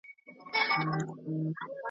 د ټګانو کوډګرانو له دامونو